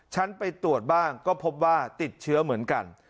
ฉันไปตรวจบ้างก็พบว่าติดเชื้อเหมือนกัน